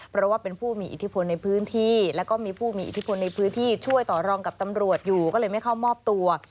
เพราะว่าเป็นผู้มีอิทธิพลในพื้นที่แล้วก็มีผู้มีอิทธิพลในพื้นที่ช่วยต่อรองกับตำรวจอยู่ก็เลยไม่เข้ามอบตัว